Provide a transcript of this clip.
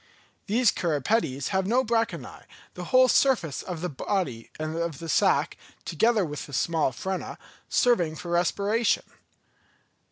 These cirripedes have no branchiæ, the whole surface of the body and of the sack, together with the small frena, serving for respiration.